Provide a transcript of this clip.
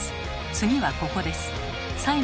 「最後はここです」